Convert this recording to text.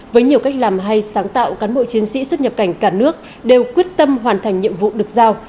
với nhiều cách làm hay sáng tạo cán bộ chiến sĩ xuất nhập cảnh cả nước đều quyết tâm hoàn thành nhiệm vụ được giao